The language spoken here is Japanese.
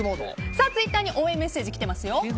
ツイッターに応援メッセージが来ています。